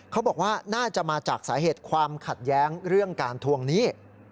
เขาบอกว่าน่าจะมาจากสาเหตุความขัดแย้งเรื่องการทวงหนี้